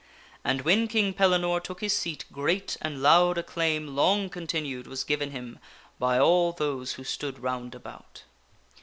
And when King Pellinore took his seat, great and loud acclaim long continued was given him by all those who stood round about.